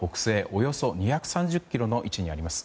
およそ２３０ｋｍの位置にあります。